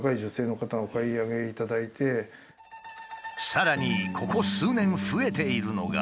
さらにここ数年増えているのが。